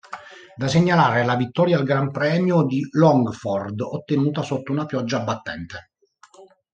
Da segnalare la vittoria al Gran Premio di Longford ottenuta sotto una pioggia battente.